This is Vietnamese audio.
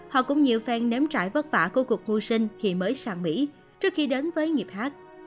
họ cũng nhiều phen nếm trải vất vả của cuộc vui sinh khi mới sàng mỹ trước khi đến với nghiệp hát